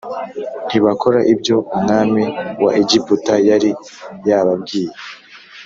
ntibakora ibyo umwami wa Egiputa yari yababwiye